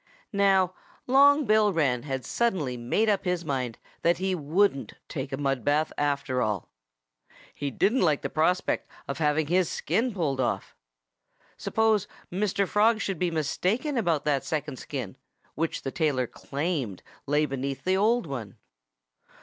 Now, Long Bill Wren had suddenly made up his mind that he wouldn't take a mud bath, after all. He didn't like the prospect of having his skin pulled off. Suppose Mr. Frog should be mistaken about that second skin, which the tailor claimed lay underneath the old one?